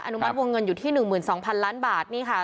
อนุมัติวงเงินอยู่ที่หนึ่งหมื่นสองพันล้านบาทนี่ค่ะ